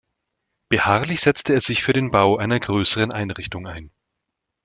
Beharrlich setzte er sich für den Bau einer größeren Einrichtung ein.